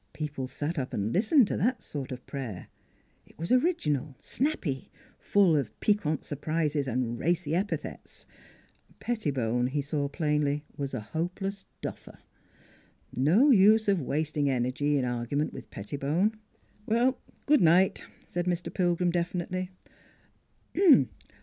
Peo ple sat up and listened to that sort of prayer. It was original, snappy, full of piquant surprises and racy epithets. ... Pettibone, he saw plainly, was a hopeless duffer. No use of wast ing energy in argument with Pettibone. " Good night," said Mr. Pilgrim definitely.